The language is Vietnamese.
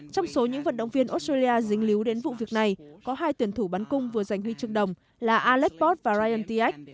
trong số những vận động viên australia dính líu đến vụ việc này có hai tuyển thủ bắn cung vừa giành huy chức đồng là alex port và ryan tiax